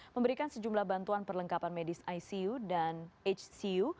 memberikan sejumlah bantuan perlengkapan medis icu dan hcu